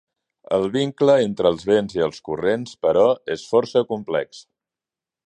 El vincle entre els vents i els corrents, però, és força complex.